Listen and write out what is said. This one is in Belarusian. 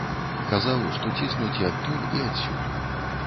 Казаў, што ціснуць і адтуль, і адсюль.